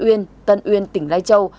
và huyện tân uyên tân uyên tỉnh lai châu